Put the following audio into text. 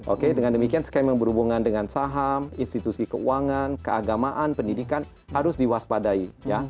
oke dengan demikian scam yang berhubungan dengan saham institusi keuangan keagamaan pendidikan harus diwaspadai